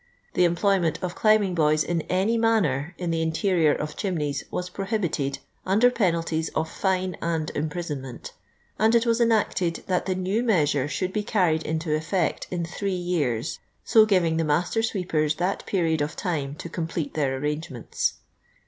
The em ployment of climbing boys in any manner in the interior of chimneys was prohibited under penal ties of fine and imprisonment ; and it was enacted that the new measure should be carried into effect in three years, so giving the master sweepers that period of time to complete their arrangements.